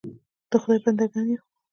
د خدای بنده ګان یو .